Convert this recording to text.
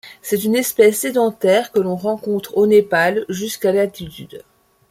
C'est une espèce sédentaire que l'on rencontre au Népal jusqu'à d'altitude.